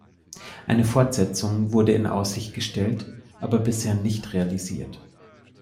Eine Fortsetzung wurde in Aussicht gestellt, aber bisher nicht realisiert.